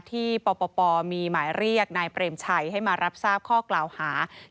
ที่ปปมีหมายเรียกนายเปรมชัยให้มารับทราบข้อกล่าวหา